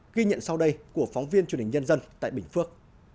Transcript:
ghi nhận sau đây của phóng viên truyền hình nhân dân tại bình phước